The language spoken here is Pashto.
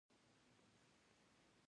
ایا زه باید فریاد وکړم؟